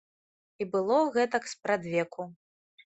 І было гэтак спрадвеку.